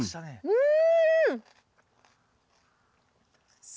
うん！